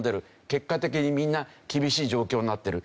結果的にみんな厳しい状況になってる。